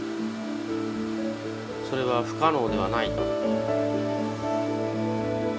それが不可能ではないと。